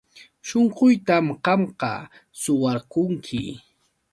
Shunquytam qamqa suwarqunki.